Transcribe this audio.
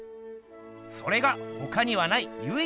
それがほかにはないゆい